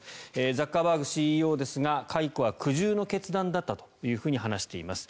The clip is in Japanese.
ザッカーバーグＣＥＯですが解雇は苦渋の決断だったと話しています。